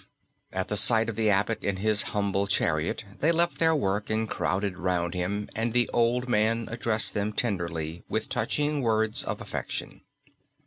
At the sight of the abbot in his humble chariot they left their work and crowded round him, and the old man addressed them tenderly with touching words of affection.